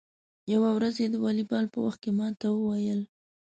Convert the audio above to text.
یوه ورځ یې د والیبال په وخت کې ما ته و ویل: